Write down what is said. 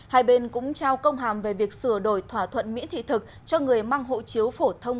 hai bên cũng trao công hàm về việc sửa đổi thỏa thuận miễn thị thực cho người mang hộ chiếu phổ thông